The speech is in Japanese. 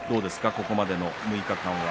ここまでの６日間は。